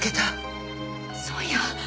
そうや。